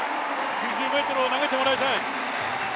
９０ｍを投げてもらいたい。